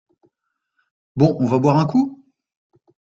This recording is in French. Bon on va boire un coup?